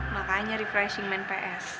makanya refreshing main ps